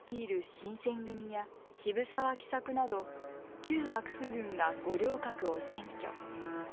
新選組や渋沢喜作など旧幕府軍が五稜郭を占拠。